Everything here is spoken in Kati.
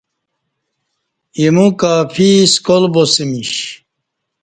ایمو کافی سکال باسمش